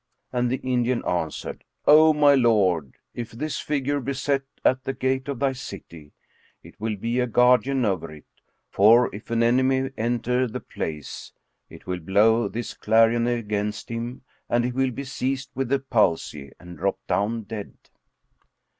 and the Indian answered, "O my lord, if this figure be set at the gate of thy city, it will be a guardian over it; for, in an enemy enter the place, it will blow this clarion against him and he will be seized with a palsy and drop down dead."